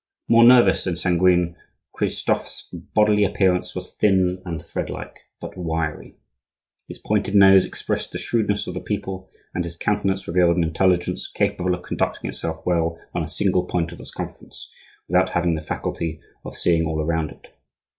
More nervous than sanguine, Cristophe's bodily appearance was thin and threadlike, but wiry. His pointed noise expressed the shrewdness of the people, and his countenance revealed an intelligence capable of conducting itself well on a single point of the circumference, without having the faculty of seeing all around it.